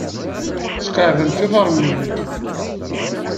Sqeɛdemt iḍarren-nwent.